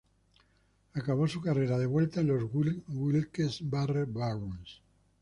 Acabó su carrera de vuelta en los Wilkes-Barre Barons.